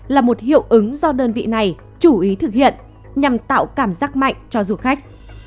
là một hiệu ứng do đơn vị này chú ý thực hiện nhằm tạo cảm giác mạnh cho du khách